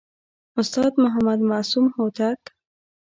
استاد محمد معصوم هوتک